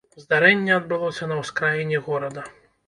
Здарэнне адбылося на ўскраіне горада.